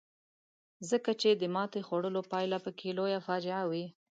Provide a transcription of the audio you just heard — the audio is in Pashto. ځکه چې د ماتې خوړلو پایله پکې لویه فاجعه وي.